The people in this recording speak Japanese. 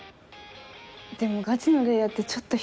でもガチのレイヤーってちょっと引くかも。